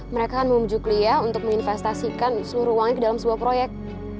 mereka kan menunjuk lia untuk menginvestasikan seluruh uangnya ke dalam sebuah proyek